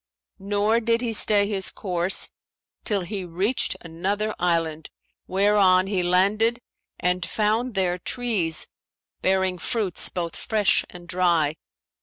Nor did he stay his course till he reached another island, whereon he landed and found there trees bearing fruits both fresh and dry.